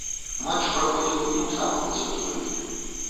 Матч праходзіў не ў самым высокім рытме.